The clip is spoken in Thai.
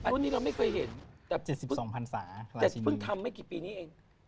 แต่พึ่งทำไม่กี่ปีนี้